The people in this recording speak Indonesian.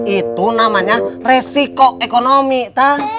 itu namanya resiko ekonomi teh